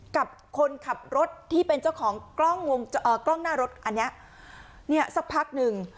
กับคนขับรถที่เป็นเจ้าของกล้องวงกล้องหน้ารถอันเนี้ยเนี่ยสักพักหนึ่ง